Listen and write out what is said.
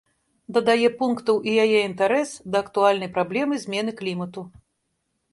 Дадае пунктаў і яе інтарэс да актуальнай праблемы змены клімату.